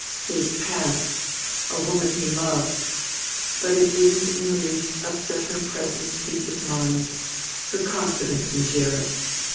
His past "a woman he loved." But it didn't in the least upset her present peace of mind, her confidence in Gerrit.